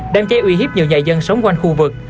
đám cháy uy hiếp nhiều nhà dân sống quanh khu vực